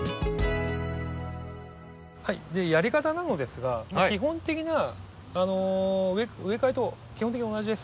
はいやり方なのですが基本的な植え替えと基本的に同じです。